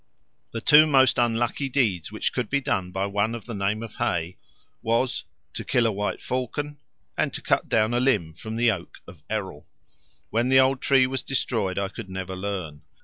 The two most unlucky deeds which could be done by one of the name of Hay was, to kill a white falcon, and to cut down a limb from the oak of Errol. When the old tree was destroyed I could never learn.